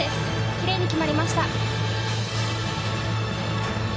きれいに決まりました。